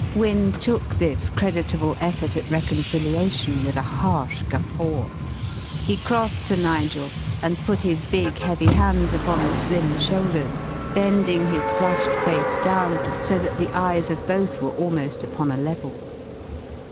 Wynne took this creditable effort at reconciliation with a harsh guffaw. He crossed to Nigel and put his big, heavy hands upon the slim shoulders, bending his flushed face down so that the eyes of both were almost upon a level.